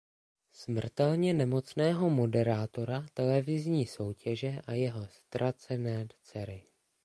Smrtelně nemocného moderátora televizní soutěže a jeho ztracené dcery.